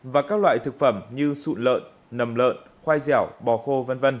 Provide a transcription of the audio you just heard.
và các loại thực phẩm như sụn lợn nầm lợn khoai dẻo bò khô